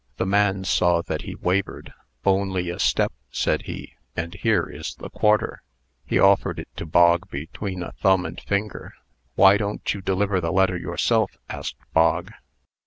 The man saw that he wavered. "Only a step," said he. "And here is the quarter." He offered it to Bog between a thumb and finger. "Why don't you deliver the letter yourself?" asked Bog.